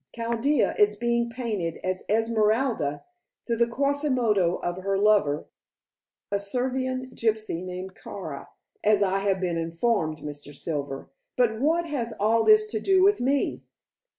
"Chaldea is being painted as Esmeralda to the Quasimodo of her lover, a Servian gypsy called Kara, as I have been informed, Mr. Silver. But what has all this to do with me?"